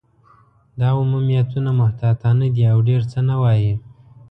دا عمومیتونه محتاطانه دي، او ډېر څه نه وايي.